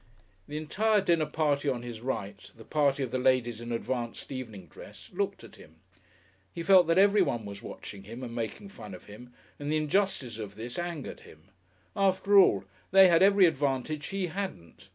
The entire dinner party on his right, the party of the ladies in advanced evening dress, looked at him.... He felt that everyone was watching him and making fun of him, and the injustice of this angered him. After all, they had every advantage he hadn't.